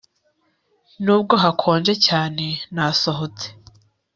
Nubwo hakonje cyane nasohotse